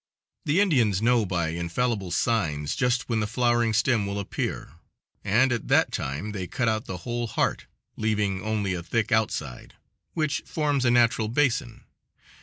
The Indians know by infallible signs just when the flowering stem will appear, and at that time they cut out the whole heart, leaving only a thick outside, which forms a natural basin.